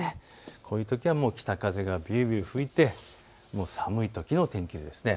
このときは北風がびゅーびゅー吹いて寒いときの天気図です。